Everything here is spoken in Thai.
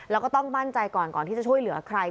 แล้วก็ต้องมั่นใจก่อนก่อนที่จะช่วยเหลือใคร